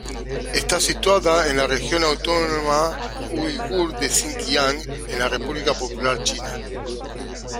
Está situada en la Región Autónoma Uigur de Sinkiang, en la República Popular China.